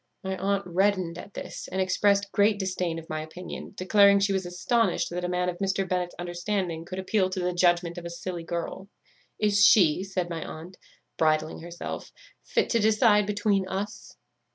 My aunt reddened at this, and exprest great disdain of my opinion, declaring she was astonished that a man of Mr. Bennet's understanding could appeal to the judgment of a silly girl; 'Is she,' said my aunt, bridling herself, 'fit to decide between us?